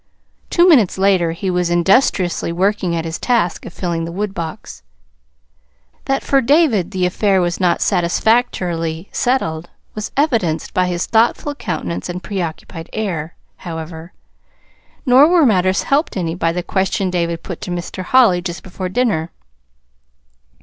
Two minutes later he was industriously working at his task of filling the woodbox. That for David the affair was not satisfactorily settled was evidenced by his thoughtful countenance and preoccupied air, however; nor were matters helped any by the question David put to Mr. Holly just before dinner.